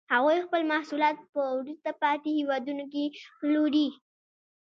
هغوی خپل محصولات په وروسته پاتې هېوادونو کې پلوري